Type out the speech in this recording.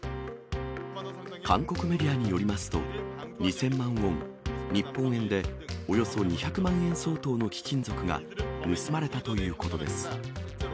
韓国メディアによりますと、２０００万ウォン、日本円でおよそ２００万円相当の貴金属が盗まれたということです。